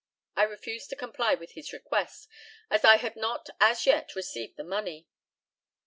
I refused to comply with his request, as I had not as yet received the money.